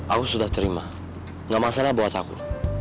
aku sudah terima gak masalah buat aku